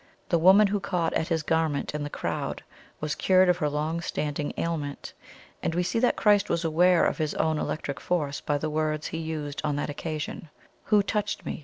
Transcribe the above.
The woman who caught at His garment in the crowd was cured of her long standing ailment; and we see that Christ was aware of His own electric force by the words He used on that occasion: 'WHO TOUCHED ME?